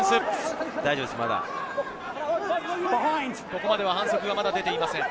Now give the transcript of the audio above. ここまでは反則は出ていません。